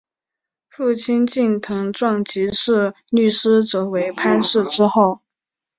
父亲近藤壮吉是律师则为藩士之后。